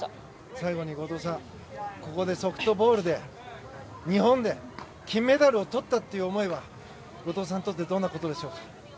最後に後藤さんここで、ソフトボールで日本で金メダルをとったっていう思いは後藤さんにとってどんなことでしょう？